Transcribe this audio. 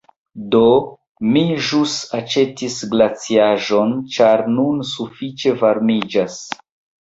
Do, mi ĵus aĉetis glaciaĵon ĉar nun sufiĉe varmiĝas